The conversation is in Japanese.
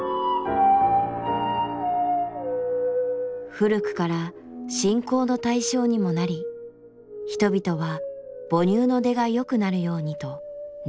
古くから信仰の対象にもなり人々は母乳の出がよくなるようにと願いをかけてきた。